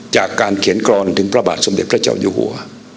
จากการเขียนกรอนถึงพระบาทสมเด็จพระเจ้าอยู่หัว